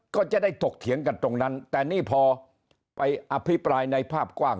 ก็จะได้ถกเถียงกันตรงนั้นแต่นี่พอไปอภิปรายในภาพกว้าง